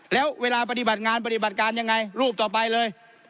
แล้วเวลาปฏิบัติงานปฏิบัติการยังไงรูปต่อไปเลย